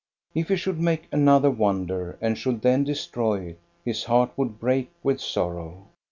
If he should make another wonder and should then destroy it, his heart would break with sorrow.